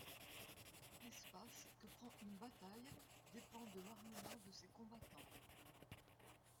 L'espace que prend une bataille dépend de l'armement de ses combattants.